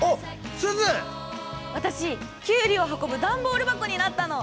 私きゅうりを運ぶダンボール箱になったの。